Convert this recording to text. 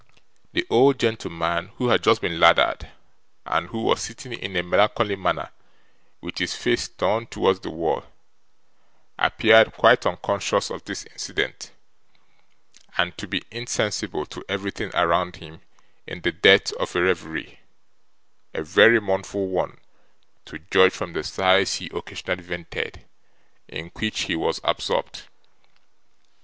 The old gentleman who had just been lathered, and who was sitting in a melancholy manner with his face turned towards the wall, appeared quite unconscious of this incident, and to be insensible to everything around him in the depth of a reverie a very mournful one, to judge from the sighs he occasionally vented in which he was absorbed.